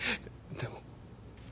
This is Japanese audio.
でも。